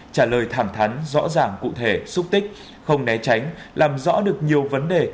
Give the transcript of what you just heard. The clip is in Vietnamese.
trả lời thẳng thắn rõ ràng cụ thể xúc tích không né tránh làm rõ được nhiều vấn đề